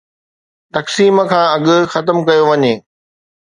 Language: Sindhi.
تقسيم کان اڳ ختم ڪيو وڃي.